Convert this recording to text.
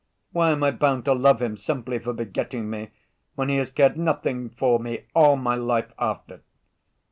Why am I bound to love him simply for begetting me when he has cared nothing for me all my life after?